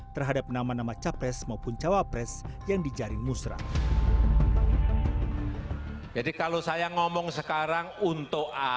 terhadap nama nama capres maupun cawapres yang di jaring musrah